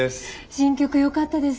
新曲よかったです。